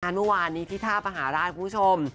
เมื่อวานนี้ที่ท่ามหาราชคุณผู้ชม